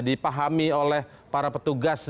dipahami oleh para petugas